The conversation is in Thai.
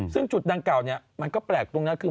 ซึ่งจุดดังเก่าเนี่ยมันก็แปลกตรงนั้นคือ